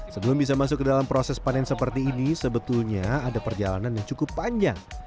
sebelum bisa masuk ke dalam proses panen seperti ini sebetulnya ada perjalanan yang cukup panjang